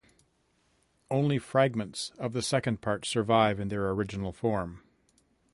Only fragments of the second part survive in their original form.